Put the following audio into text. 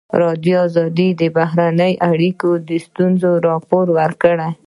ازادي راډیو د بهرنۍ اړیکې ستونزې راپور کړي.